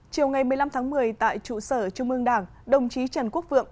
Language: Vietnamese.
chiều ngày một mươi năm tháng một mươi tại trụ sở trung ương đảng đồng chí trần quốc vượng